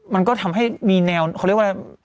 มันก็ทำให้มีแนวเขาเรียกว่า